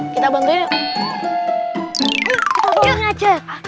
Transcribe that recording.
kita bangunin yuk